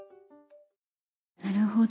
なるほど。